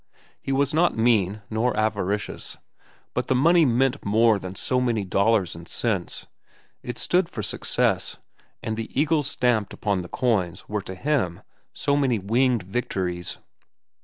He was not mean, nor avaricious, but the money meant more than so many dollars and cents. It stood for success, and the eagles stamped upon the coins were to him so many winged victories.